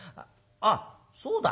あっそうだ。